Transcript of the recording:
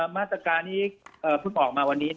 มาตรการนี้เพิ่งออกมาวันนี้